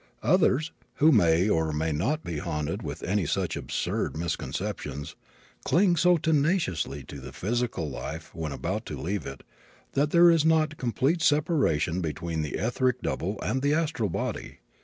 Others, who may or may not be haunted with any such absurd misconceptions, cling so tenaciously to the physical life when about to leave it that there is not complete separation between the etheric double and astral body.